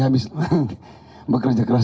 habis bekerja keras